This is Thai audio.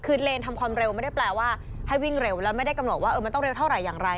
คือเลนทำความเร็วไม่ได้แปลว่าให้วิ่งเร็วแล้วไม่ได้กำหนดว่ามันต้องเร็วเท่าไหร่อย่างไร